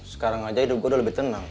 sekarang aja hidup gue udah lebih tenang